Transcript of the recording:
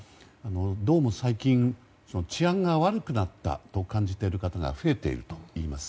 どうも最近、治安が悪くなったと感じている方が増えているといいます。